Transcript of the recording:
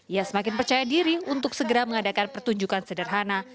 ia semakin percaya diri untuk segera mengadakan pertunjukan sederhana